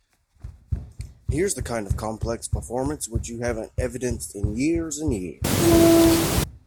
Here's the kind of complex performance which you haven't evidenced in years and years.